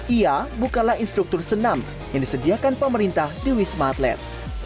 ia bukanlah instruktur senam yang disediakan pemerintah di wisma atlet